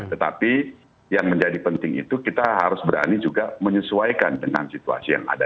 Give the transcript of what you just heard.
tetapi yang menjadi penting itu kita harus berani juga menyesuaikan dengan situasi yang ada